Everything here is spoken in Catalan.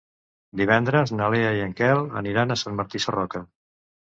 Divendres na Lea i en Quel aniran a Sant Martí Sarroca.